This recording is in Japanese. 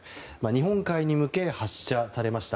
日本海に向け発射されました。